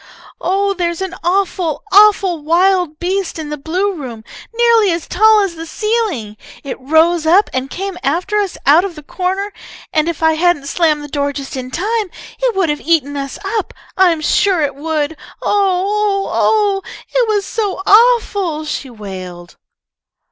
"Oh, there's an awful, awful wild beast in the blue room, nearly as tall as the ceiling! It rose up and came after us out of the corner, and if I hadn't slammed the door just in time, it would have eaten us up. I'm sure it would! Oo oo oo! It was so awful!" she wailed.